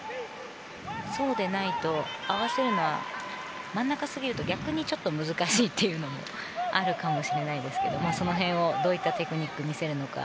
そうでないと合わせるのは真ん中すぎると逆にちょっと難しいというのがあるかもしれませんがその辺、どういったテクニックを見せるのか。